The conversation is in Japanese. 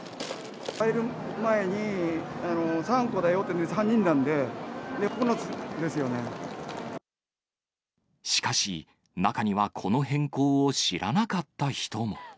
入る前に３個だよって、しかし、中にはこの変更を知らなかった人も。